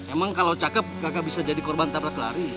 emang kalau cakep kakak bisa jadi korban tabrak lari